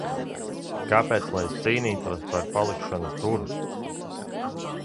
Kāpēc lai es cīnītos par palikšanu tur?